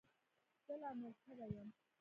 زه لامذهبه یم.